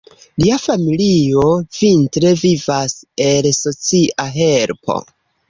Lia familio vintre vivas el socia helpo.